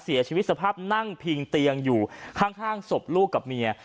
เสียชีวิตสภาพนั่งพิงเตียงอยู่ข้างศพลูกกับเมีย